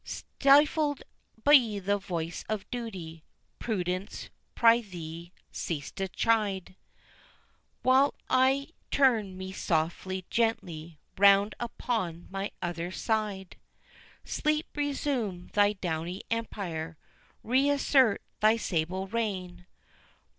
Stifled be the voice of Duty; Prudence, prythee, cease to chide, While I turn me softly, gently, round upon my other side. Sleep, resume thy downy empire; reassert thy sable reign!